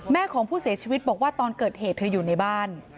ของผู้เสียชีวิตบอกว่าตอนเกิดเหตุเธออยู่ในบ้าน